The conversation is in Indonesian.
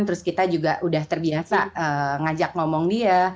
terus kita juga udah terbiasa ngajak ngomong dia